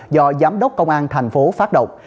do giám đốc công an thành phố phát động